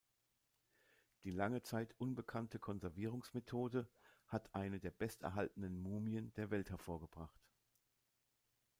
Die lange Zeit unbekannte Konservierungsmethode hat eine der besterhaltenen Mumien der Welt hervorgebracht.